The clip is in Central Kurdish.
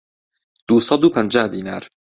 دوو سەد و پەنجا دینار